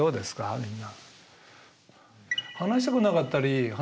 みんな。